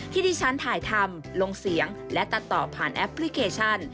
ที่ดิฉันถ่ายทำลงเสียงและตัดต่อผ่านแอปพลิเคชัน